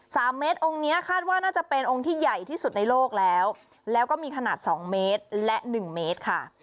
สามเมตรองค์เนี้ยคาดว่าน่าจะเป็นองค์ที่ใหญ่ที่สุดในโลกแล้วแล้วก็มีขนาดสองเมตรและหนึ่งเมตรค่ะ